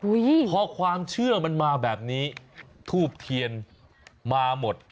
พอความเชื่อมันมาแบบนี้ทูบเทียนมาหมด